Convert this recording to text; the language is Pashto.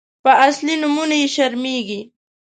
_په اصلي نومونو يې شرمېږي.